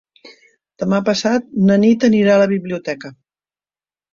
Demà passat na Nit anirà a la biblioteca.